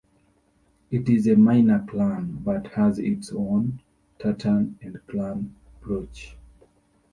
It is a minor clan but has its own tartan and clan brooch.